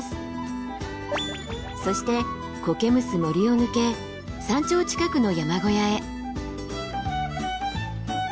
そしてコケむす森を抜け山頂近くの山小屋へ。